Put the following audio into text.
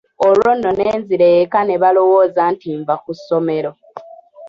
Olwo nno ne nzira eka ne balowooza nti nva ku ssomero.